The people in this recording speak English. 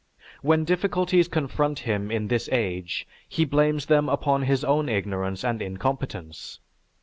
When difficulties confront him in this age, he blames them upon his own ignorance and incompetence.